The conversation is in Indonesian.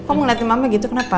kok ngeliatin mama gitu kenapa